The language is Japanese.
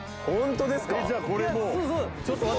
「ホントですか？」